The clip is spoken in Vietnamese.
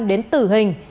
đến tử hình